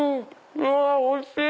うわっおいしい！